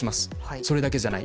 それだけじゃない。